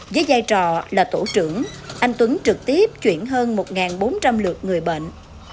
với giai trò là tổ trưởng anh tuấn trực tiếp chuyển hơn một bốn trăm linh lượt người bệnh